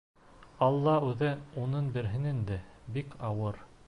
Алла үҙе уңын бирһен инде, бик ауыр...